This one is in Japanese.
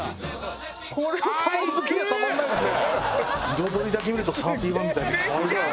彩りだけ見るとサーティワンみたい。